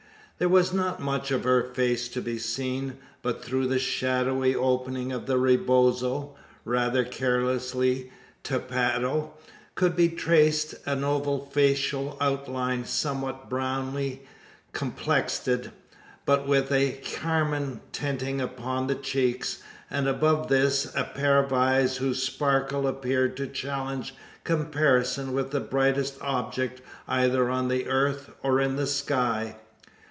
There was not much of her face to be seen; but through the shadowy opening of the rebozo rather carelessly tapado could be traced an oval facial outline, somewhat brownly "complected," But with a carmine tinting upon the cheeks, and above this a pair of eyes whose sparkle appeared to challenge comparison with the brightest object either on the earth, or in the sky.